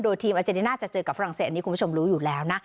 ทีมอาเจนติน่าจะเจอกับฝรั่งเศสอันนี้คุณผู้ชมรู้อยู่แล้วนะ